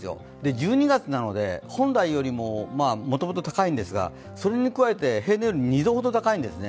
１２月なので、本来よりももともと高いんですが、それに加えて平年より２度ほど高いんですね。